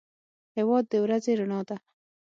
هېواد د ورځې رڼا ده.